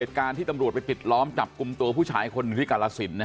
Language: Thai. เหตุการณ์ที่ตำรวจไปปิดล้อมจับกลุ่มตัวผู้ชายคนหนึ่งที่กาลสิน